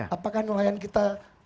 apakah nelayan kita